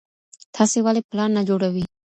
تاسي ولي پلان نه جوړوئ؟